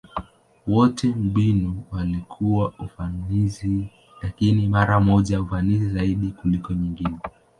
Wote mbinu walikuwa ufanisi, lakini mara moja ufanisi zaidi kuliko nyingine.